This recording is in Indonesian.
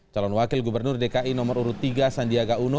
calon wakil gubernur dki nomor urut tiga sandiaga uno